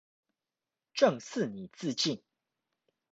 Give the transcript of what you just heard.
朕賜你自盡